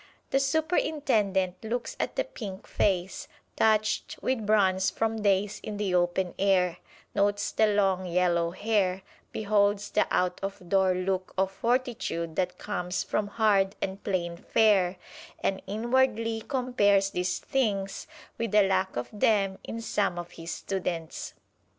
The Superintendent looks at the pink face, touched with bronze from days in the open air, notes the long yellow hair, beholds the out of door look of fortitude that comes from hard and plain fare, and inwardly compares these things with the lack of them in some of his students.